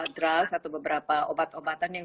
drus atau beberapa obat obatan yang